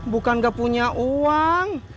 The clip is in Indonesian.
bukan gak punya uang